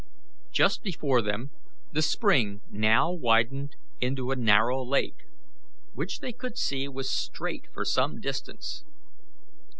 Just before them the stream now widened into a narrow lake, which they could see was straight for some distance.